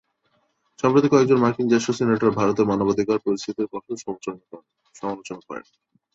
সম্প্রতি কয়েকজন মার্কিন জ্যেষ্ঠ সিনেটর ভারতের মানবাধিকার পরিস্থিতির কঠোর সমালোচনা করেন।